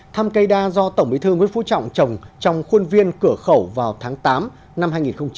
thăm cây đa do tổng bí thư nguyễn phú trọng trồng trong khuôn viên cửa khẩu vào tháng tám năm hai nghìn hai mươi ba